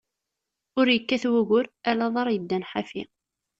Ur ikkat wugur, ala aḍaṛ yeddan ḥafi.